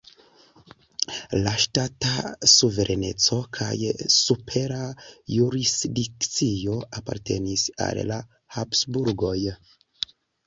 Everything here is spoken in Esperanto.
La ŝtata suvereneco kaj supera jurisdikcio apartenis al la Habsburgoj.